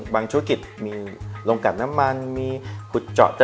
บางธุรกิจมีโรงการน้ำมันมีหุ่นจอก